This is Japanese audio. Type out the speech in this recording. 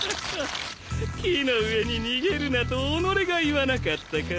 木の上に逃げるなと己が言わなかったか？